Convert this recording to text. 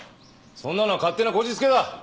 そんなのは勝手なこじつけだ！